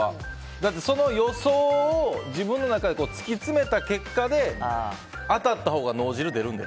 だって、その予想を自分の中で突き詰めた結果で当たったほうが脳汁、出るんで。